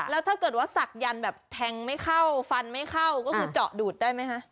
แล้วถ้าเกิดว่าศักดันแบบแทงไม่เข้าฟันไม่เข้าก็คือเจาะดูดได้ไหมคะ